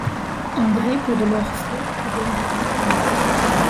André, pour de l’or faux je donne du vrai cuivre ;